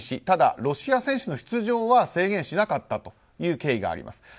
ただロシア選手の出場は制限しなかったという経緯があります。